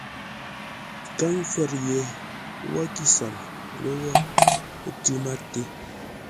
Kâŋ fə̌r ye wə́ kíshəm lə́wó, ə́ tʉ́ máté.